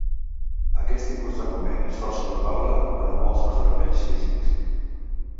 Aquest tipus d’argument és força probable pera a molts mesuraments físics.